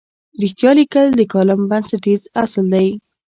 رښتیا لیکل د کالم بنسټیز اصل دی.